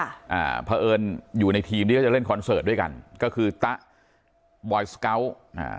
อ่าเพราะเอิญอยู่ในทีมที่เขาจะเล่นคอนเสิร์ตด้วยกันก็คือตะบอยสเกาะอ่า